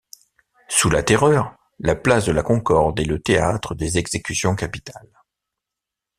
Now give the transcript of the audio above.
Sous la Terreur, la place de la Concorde est le théâtre des exécutions capitales.